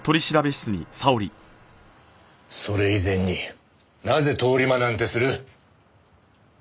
それ以前になぜ通り魔なんてする？